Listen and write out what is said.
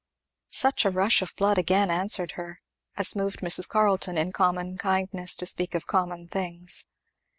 Such a rush of blood again answered her as moved Mrs. Carleton in common kindness to speak of common things.